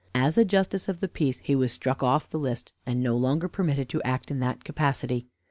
As a justice of the peace he was struck off the list, and no longer permitted to act in that capacity.